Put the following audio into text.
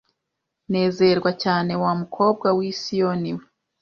"Nezerwa cyane wa mukobwa w'i Sioni we